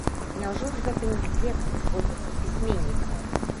Няўжо ж гэта не здзек з годнасці пісьменніка.